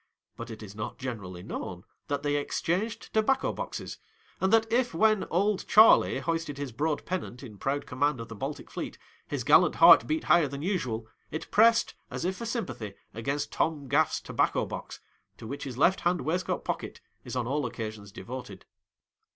But it is not generally known that they exchanged tobacco boxes, and that if when "Old Charley" hoisted his broad pennant in proud command of the Baltic fleet, his gallant heart beat higher than usual, it pressed, as if for sympathy, against Tom Gaff's tobacco box, to which his left hand waistcoat pocket is on all occasions devoted.